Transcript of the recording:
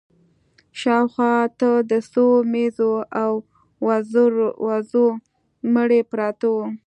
شا و خوا ته د څو مېږو او وزو مړي پراته وو.